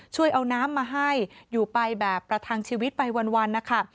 ช่วยเอาน้ำมาให้อยู่ไปแบบประทังชีวิตไปวันนะคะ